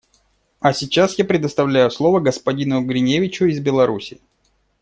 А сейчас я предоставляю слово господину Гриневичу из Беларуси.